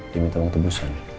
diminta uang tebusan